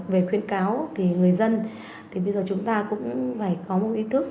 về khuyến cáo thì người dân thì bây giờ chúng ta cũng phải có một ý thức